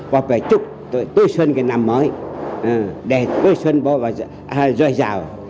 học về chúc tuổi xuân cái năm mới để tuổi xuân bố và dưới giàu